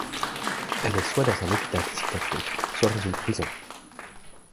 Elle est soit dans un hôpital psychiatrique, soit dans une prison.